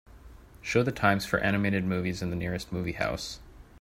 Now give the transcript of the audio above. Show the times for animated movies in the nearest movie house